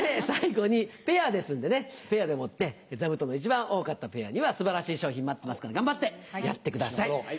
最後にペアですんでねペアでもって座布団の一番多かったペアには素晴らしい賞品待ってますから頑張ってやってください。